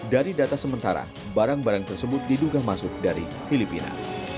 dari data sementara barang barang tersebut diduga masuk dari filipina